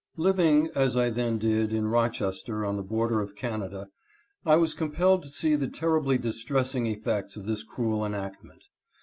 Living, as I then did, in Rochester, on the border of Can ada, I was compelled to see the terribly distressing effects of this cruel enactment.